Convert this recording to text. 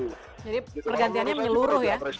jadi pergantiannya menyeluruh ya